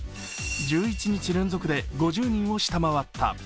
１１日連続で５０人を下回った。